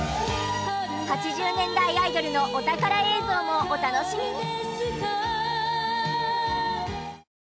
８０年代アイドルのお宝映像もお楽しみに。